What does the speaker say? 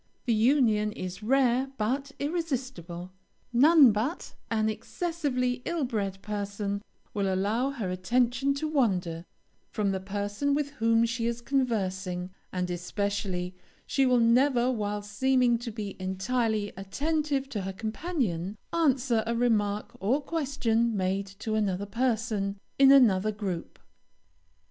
The union is rare but irresistible. None but an excessively ill bred person will allow her attention to wander from the person with whom she is conversing; and especially she will never, while seeming to be entirely attentive to her companion, answer a remark or question made to another person, in another group.